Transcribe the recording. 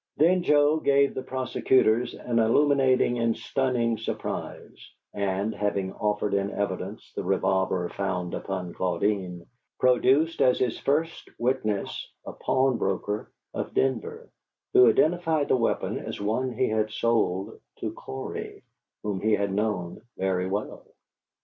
Then Joe gave the prosecutors an illuminating and stunning surprise, and, having offered in evidence the revolver found upon Claudine, produced as his first witness a pawnbroker of Denver, who identified the weapon as one he had sold to Cory, whom he had known very well.